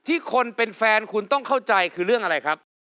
คนเป็นแฟนคุณต้องเข้าใจคือเรื่องอะไรครับ